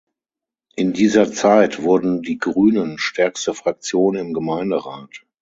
In dieser Zeit wurden die Grünen stärkste Fraktion im Gemeinderat.